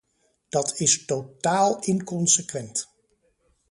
Dat is totaal inconsequent.